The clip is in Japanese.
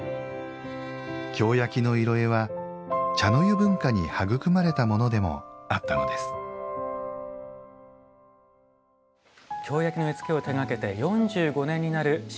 京焼の色絵は茶の湯文化に育まれたものでもあったのです京焼の絵付けを手がけて４５年になる清水北斗さんです。